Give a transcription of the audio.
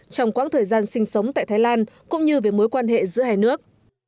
trong quãng thời gian sinh sống tại thái lan cũng như về mối quan hệ giữa hai nước